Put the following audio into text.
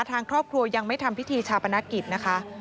ทางครอบครัวยังไม่ทำพิธีชาปนกิจนะคะ